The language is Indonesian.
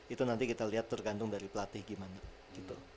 itu nanti kita lihat tergantung dari pelatih gimana gitu